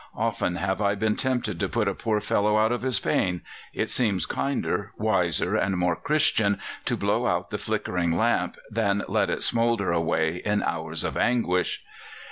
Often have I been tempted to put a poor fellow out of his pain; it seems kinder, wiser, and more Christian to blow out the flickering lamp than let it smoulder away in hours of anguish.